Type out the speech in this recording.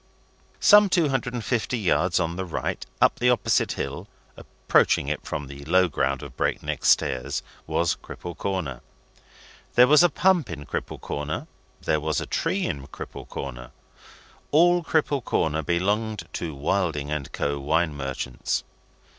Some two hundred and fifty yards on the right, up the opposite hill (approaching it from the low ground of Break Neck Stairs) was Cripple Corner. There was a pump in Cripple Corner, there was a tree in Cripple Corner. All Cripple Corner belonged to Wilding and Co., Wine Merchants.